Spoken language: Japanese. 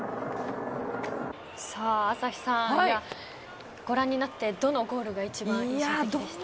朝日さんご覧になってどのゴールが一番印象的でした？